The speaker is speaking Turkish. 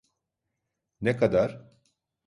Ne kadar?